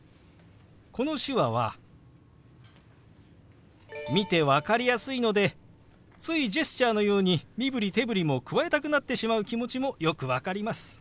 この手話は見て分かりやすいのでついジェスチャーのように身振り手振りも加えたくなってしまう気持ちもよく分かります。